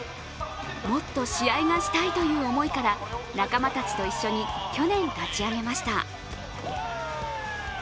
もっと試合がしたいという思いから仲間たちと一緒に去年立ち上げました。